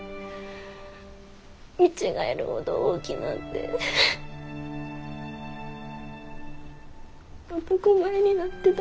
見違えるほど大きなって男前になってたで。